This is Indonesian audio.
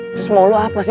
terus mau glow up gak sih